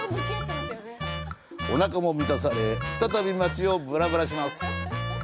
おなかも満たされ、再び町をぶらぶらします。